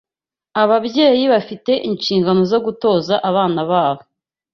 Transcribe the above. Ababyeyi bafite inshingano zo gutoza abana ba bo